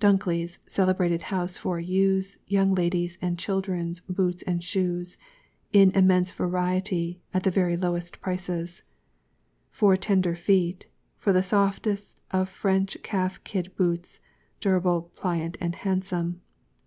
DUNKLEYŌĆÖS CELEBRATED HOUSE FOR YouthsŌĆÖ, Young LadiesŌĆÖ, and ChildrensŌĆÖ BOOTS AND SHOES, In Immense Variety, at the very Lowest Prices. FOR TENDER FEET, The Softest of French Calf Kid Boots, DURABLE, PLIANT, AND HANDSOME.